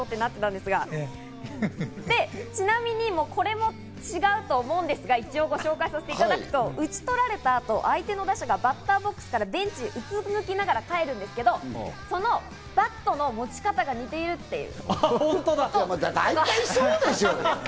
で、ちなみにこれも違うと思うんですが、一応ご紹介させていただくと、打ち取られた後、相手の打者がバッターボックスからベンチにうつむきながら帰るんですけど、そのバットの持ち方が似ているっていう。